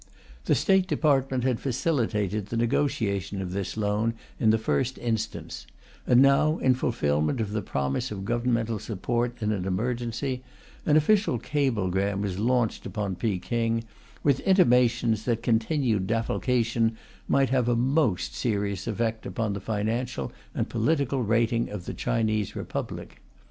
The State Department had facilitated the negotiation of this loan in the first instance; and now, in fulfilment of the promise of Governmental support in an emergency, an official cablegram was launched upon Peking, with intimations that continued defalcation might have a most serious effect upon the financial and political rating of the Chinese Republic.